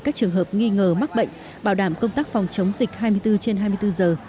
các trường hợp nghi ngờ mắc bệnh bảo đảm công tác phòng chống dịch hai mươi bốn trên hai mươi bốn giờ